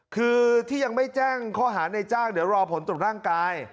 คือที่ยังไม่แจ้งข้อหาในจ้างเดี๋ยวรอผลตรวจร่างกาย